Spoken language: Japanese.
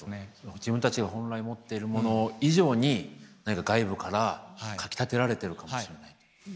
自分たちが本来持ってるもの以上に何か外部からかきたてられてるかもしれないと。